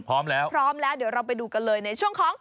พร้อมแล้วพร้อมแล้วเดี๋ยวเราไปดูกันเลยในช่วงของ